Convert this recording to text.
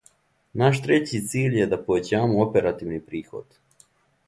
Наш трећи циљ је да повећамо оперативни приход.